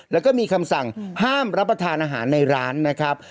แล้วก็มีคำสั่งห้ามรับประทานอาหารในร้านนะครับ